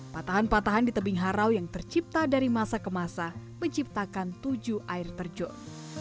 patahan patahan di tebing harau yang tercipta dari masa ke masa menciptakan tujuh air terjun